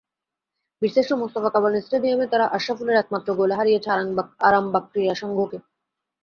বীরশ্রেষ্ঠ মোস্তফা কামাল স্টেডিয়ামে তারা আশরাফুলের একমাত্র গোলে হারিয়েছে আরামবাগ ক্রীড়া সংঘকে।